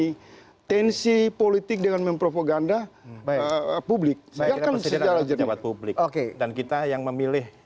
intensi politik dengan mempropaganda publik sejarah sejarah jenis dan kita yang memilih